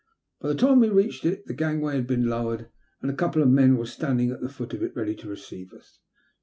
By the time we reached it the gangway had been lowered, and a couple of men were standing at the foot of it ready to receive us.